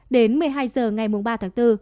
đến một mươi hai h ngày ba tháng bốn